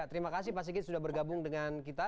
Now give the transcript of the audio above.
terima kasih pak sigit sudah bergabung dengan kita